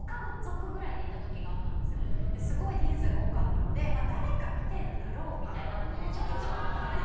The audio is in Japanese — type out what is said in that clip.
すごい人数が多かったので誰か見てるだろうみたいになる。